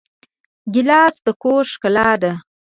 ګیلاس د کور ښکلا ده.